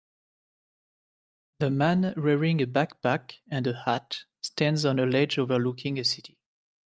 The man wearing a backpack and a hat, stands on a ledge overlooking a city.